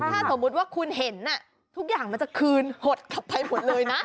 ถ้าสมมุติว่าคุณเห็นทุกอย่างมันจะคืนหดขับไปหมดเลยนะ